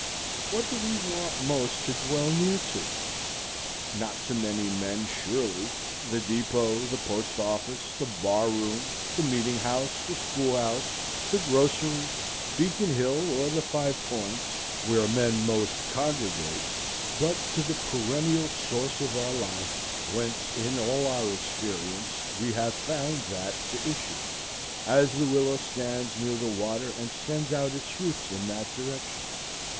What do we want most to dwell near to? Not to many men surely, the depot, the post office, the bar room, the meeting house, the school house, the grocery, Beacon Hill, or the Five Points, where men most congregate, but to the perennial source of our life, whence in all our experience we have found that to issue, as the willow stands near the water and sends out its roots in that direction.